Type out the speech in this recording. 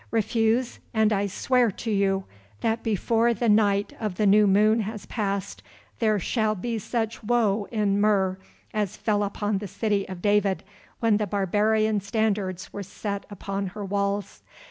Refuse, and I swear to you that before the night of the new moon has passed there shall be such woe in Mur as fell upon the city of David when the barbarian standards were set upon her walls.